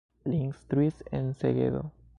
Li instruis en Segedo.